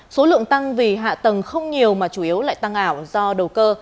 số lượng tăng vì hạ tầng không nhiều mà chủ yếu lại tăng ảo do đầu cơ